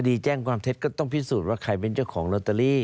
แจ้งความเท็จก็ต้องพิสูจน์ว่าใครเป็นเจ้าของลอตเตอรี่